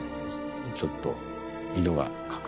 ちょっと。